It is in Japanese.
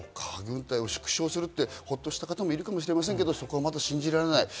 軍隊を縮小するってホッとした方がいるかもしれませんが、そこはまだ信じられない。